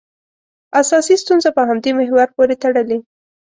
اساسي ستونزه په همدې محور پورې تړلې.